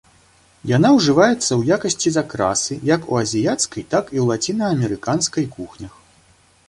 Яна ўжываецца ў якасці закрасы як у азіяцкай, так і ў лацінаамерыканскай кухнях.